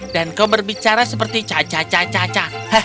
dan kau berbicara seperti caca caca caca